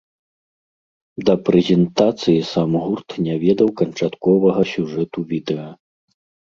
Да прэзентацыі сам гурт не ведаў канчатковага сюжэту відэа.